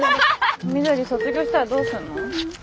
ミドリ卒業したらどうするの？